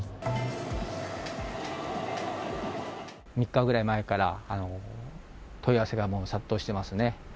３日ぐらい前から、問い合わせがもう殺到してますね。